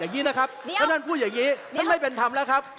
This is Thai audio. อย่างนี้นะครับถ้าท่านพูดอย่างนี้มันไม่เป็นธรรมแล้วครับ